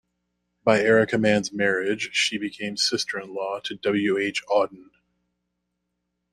By Erika Mann's marriage, she became sister-in-law to W. H. Auden.